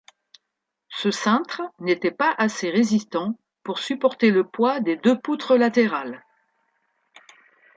Ce cintre n'était pas assez résistant pour supporter le poids des deux poutres latérales.